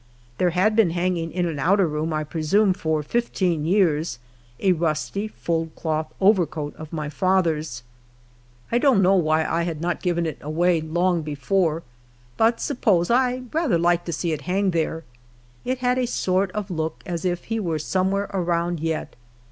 There had been hanging in an outer room, I presume for fifteen years, a rusty, fulled cloth overcoat of my father's. I don't know 8 HALF A DIMK A DA^?, wiiv I had not ojiveii it away long before, but suppose I rather liked to see it liang there ; it had a sort of look as if he were somewhere around yet.